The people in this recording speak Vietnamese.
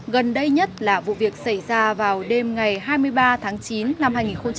gần đây nhất là vụ việc xảy ra vào đêm ngày hai mươi ba tháng chín năm hai nghìn một mươi chín